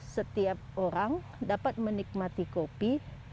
setiap orang dapat menikmati kopi